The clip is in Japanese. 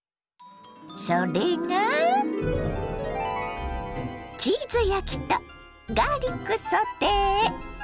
それがチーズ焼きとガーリックソテー！